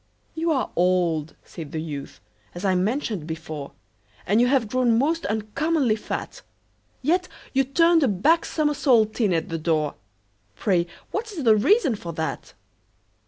"You are old," said the youth, "as I mentioned before, And you have grown most uncommonly fat; Yet you turned a back somersault in at the door Pray what is the reason for that?"